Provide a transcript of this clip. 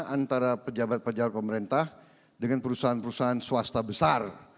antara pejabat pejabat pemerintah dengan perusahaan perusahaan swasta besar